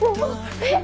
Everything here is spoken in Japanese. えっ？